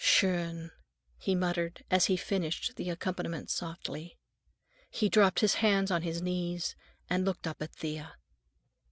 "Schön," he muttered as he finished the accompaniment softly. He dropped his hands on his knees and looked up at Thea.